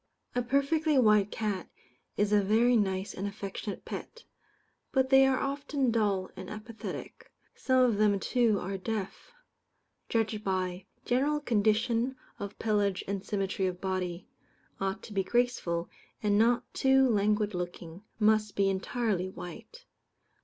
A perfectly white cat is a very nice and affectionate pet; but they are often dull and apathetic. Some of them, too, are deaf. Judged by: General condition of pelage and symmetry of body. Ought to be graceful, and not too languid looking. Must be entirely white.